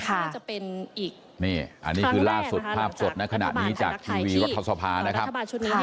อันนี้คือล่าสุดภาพสดนักขณะนี้จากทีวีวัทธสภานะครับ